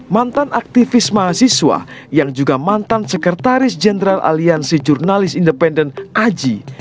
mantan aktivis mahasiswa yang juga mantan sekretaris jenderal aliansi jurnalis independen aji